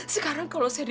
sekarang kalau saya